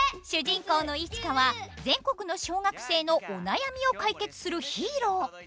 主人公のイチカは全国の小学生のお悩みを解決するヒーロー！